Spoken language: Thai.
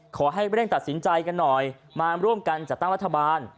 ขอให้เร่งตัดสินใจกันหน่อยมาร่วมกันจัดตั้งรัฐบาล